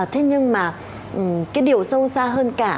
thế nhưng mà cái điều sâu xa hơn cả